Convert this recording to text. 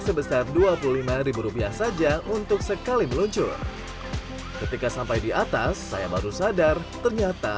sebesar dua puluh lima rupiah saja untuk sekali meluncur ketika sampai di atas saya baru sadar ternyata